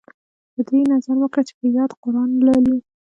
په دې یې نظر مه کړه چې په یاد قران لولي.